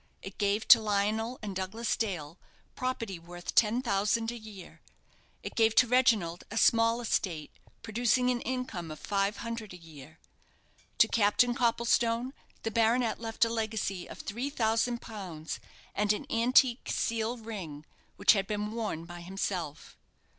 It gave to Lionel and Douglas Dale property worth ten thousand a year. It gave to Reginald a small estate, producing an income of five hundred a year. To Captain Copplestone the baronet left a legacy of three thousand pounds, and an antique seal ring which had been worn by himself.